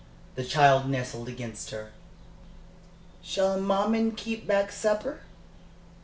The child nestled against her. "Shall maman keep back supper?"